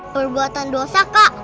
perbuatan dosa kak